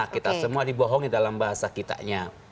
kita semua dibohongi dalam bahasa kitanya